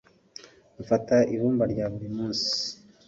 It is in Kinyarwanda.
mfata ibumba rya buri munsi